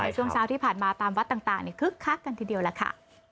ช่วงเช้าที่ผ่านมาตามวัดต่างคึกคักกันทีเดียวล่ะค่ะ